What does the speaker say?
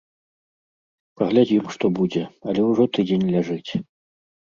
Паглядзім, што будзе, але ўжо тыдзень ляжыць.